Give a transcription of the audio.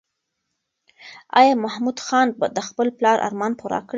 ایا محمود خان د خپل پلار ارمان پوره کړ؟